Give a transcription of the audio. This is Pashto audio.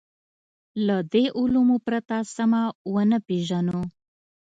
له دې علومو پرته سمه ونه پېژنو.